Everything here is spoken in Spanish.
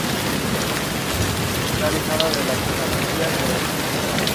Volvió a trabajar de bailarina en un cabaret del interior.